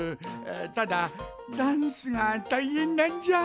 ただダンスがたいへんなんじゃ。